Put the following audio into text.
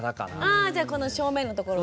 ああじゃあこの正面のところが。